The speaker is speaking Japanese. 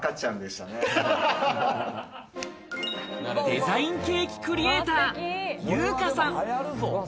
デザインケーキクリエーターｙｕｕｋａさん。